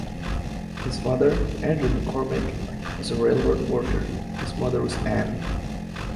His father, Andrew McCormick, was a railroad worker; his mother was Ann.